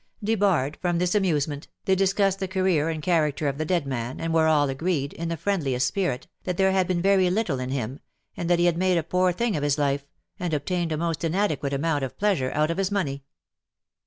Debarred from this amusement, they discussed the career and character of the dead man, and were all agreed, in the friendliest spirit, that there had been very little in him, and that he had made a poor thing of his life, and obtained a most inadequate amount of pleasure out of his money.